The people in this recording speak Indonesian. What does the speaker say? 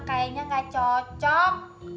kayaknya gak cocok